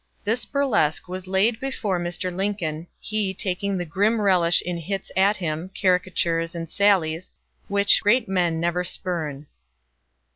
This burlesque was laid before Mr. Lincoln, he taking the grim relish in hits at him, caricatures and sallies, which great men never spurn.